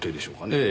ええ。